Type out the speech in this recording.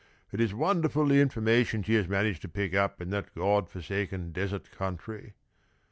It is wonderful the information she has managed to pick up in that God forsaken desert country.